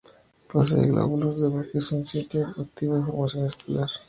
Posee glóbulos de Bok y es un sitio activo de formación estelar.